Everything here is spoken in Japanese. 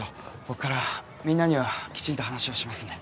僕からみんなにはきちんと話をしますんで。